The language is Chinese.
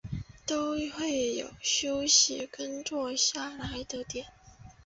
都会有休息跟坐下来的点